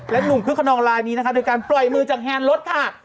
หนุ่มคึกขนองลายนี้นะคะโดยการปล่อยมือจากแฮนดรถค่ะ